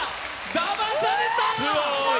だまされた！